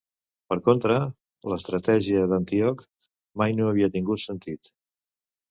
Per contra, l'estratègia d'Antíoc mai no havia tingut sentit.